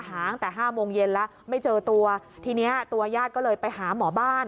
หาตั้งแต่๕โมงเย็นแล้วไม่เจอตัวทีเนี้ยตัวญาติก็เลยไปหาหมอบ้าน